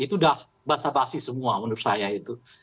itu udah basah basi semua menurut saya itu